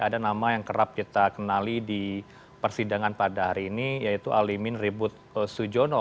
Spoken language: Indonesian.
ada nama yang kerap kita kenali di persidangan pada hari ini yaitu alimin ribut sujono